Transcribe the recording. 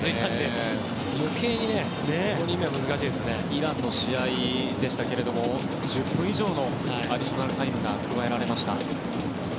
イランの試合でしたが１０分以上のアディショナルタイムが加えられました。